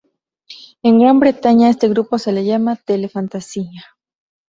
En Gran Bretaña, a este grupo se le llama "tele fantasía".